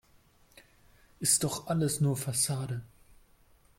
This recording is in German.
Ist doch alles nur Fassade.